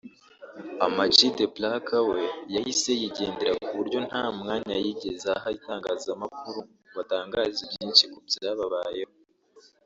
Amag The Black we yahise yigendera kuburyo nta mwanya yigeze aha itangazamakuru ngo atangaze byinshi kubyababayeho